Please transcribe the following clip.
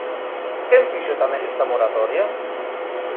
¿Quen fixo tamén esta moratoria?